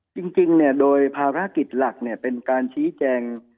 จริงโดยภารกิจหลักเป็นการชี้แจง